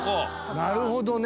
なるほどね。